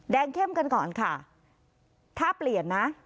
เข้มกันก่อนค่ะถ้าเปลี่ยนนะ